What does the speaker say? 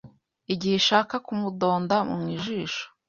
Igihe ishaka kumudonda mu jisho